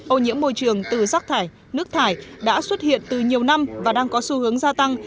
ô nhiễm môi trường từ rác thải nước thải đã xuất hiện từ nhiều năm và đang có xu hướng gia tăng